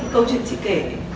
câu chuyện chị kể